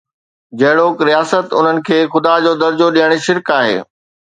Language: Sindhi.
جهڙوڪ، رياست، انهن کي خدا جو درجو ڏيڻ شرڪ آهي.